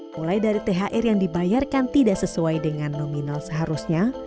mulai dari thr yang dibayarkan tidak sesuai dengan nominal seharusnya